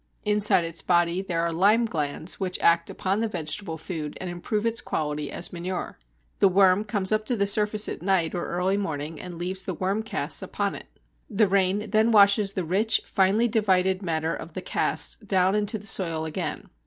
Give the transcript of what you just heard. Inside its body there are lime glands which act upon the vegetable food and improve its quality as manure. The worm comes up to the surface at night or early morning and leaves the worm casts upon it. The rain then washes the rich, finely divided matter of the casts down into the soil again.